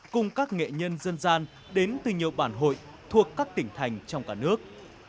cùng các nghệ nhân dân gian đến từ nhiều bản hội thuộc các tỉnh thành trong cả nước